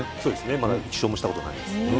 まだ１勝もしたことないです。